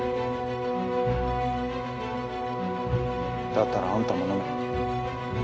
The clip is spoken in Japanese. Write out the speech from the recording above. だったらあんたも飲め。